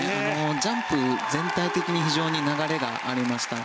ジャンプ、全体的に非常に流れがありました。